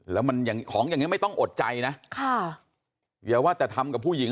แล้วมันอย่างของอย่างนี้ไม่ต้องอดใจนะค่ะอย่าว่าแต่ทำกับผู้หญิง